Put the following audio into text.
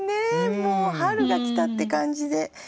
もう春が来たって感じで。